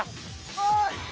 おい！